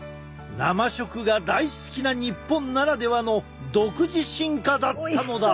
生食が大好きな日本ならではの独自進化だったのだ！